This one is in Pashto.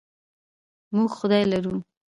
موږ خدای لرو.